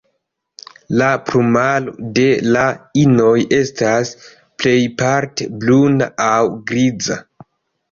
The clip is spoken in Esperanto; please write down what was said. La plumaro de la inoj estas plejparte bruna aŭ griza.